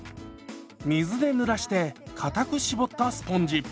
水でぬらしてかたく絞ったスポンジ。